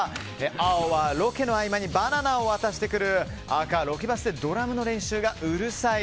青はロケの合間にバナナを渡してくる赤はロケバスでドラムの練習がうるさい。